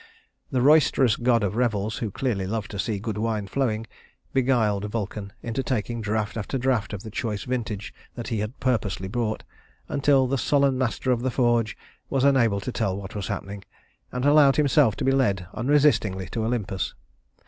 The roisterous god of revels, who dearly loved to see good wine flowing, beguiled Vulcan into taking draught after draught of the choice vintage that he had purposely brought, until the sullen master of the forge was unable to tell what was happening, and allowed himself to be led unresistingly to Olympus.